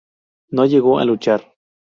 No llegó a luchar.